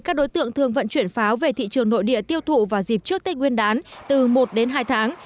các đối tượng thường vận chuyển pháo về thị trường nội địa tiêu thụ vào dịp trước tết nguyên đán từ một đến hai tháng